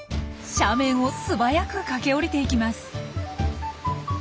斜面を素早く駆け下りていきます。